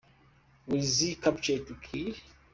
Will Z capture the killer?